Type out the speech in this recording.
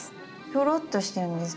ひょろっとしてるんです。